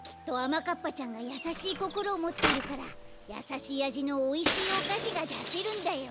かっぱちゃんがやさしいこころをもっているからやさしいあじのおいしいおかしがだせるんだよ。